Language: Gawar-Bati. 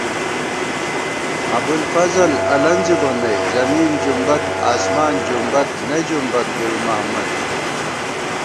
ابُوالفضل النزِبہ نئ“زمیں جُنبد آسماں جُنبد نہ جُنبَد گل محمد”